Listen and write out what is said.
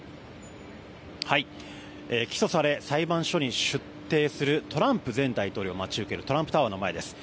起訴され裁判所に出廷するトランプ前大統領を待ち受けるトランプタワーの前です。